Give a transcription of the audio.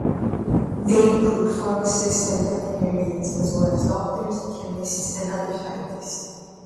They include pharmacists and veterinarians, as well as doctors, chemists and other scientists.